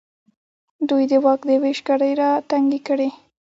دوی د واک د وېش کړۍ راتنګې کړې.